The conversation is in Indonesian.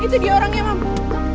itu dia orangnya mampu